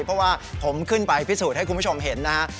เพราะว่าผมขึ้นไปพิสูจน์ให้คุณผู้ชมเห็นนะฮะ